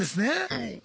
はい。